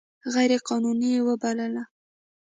غیر قانوني وبلله.